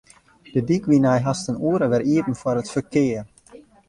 De dyk wie nei hast in oere wer iepen foar it ferkear.